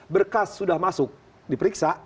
berkas sudah masuk diperiksa